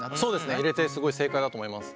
入れてすごい正解だと思います。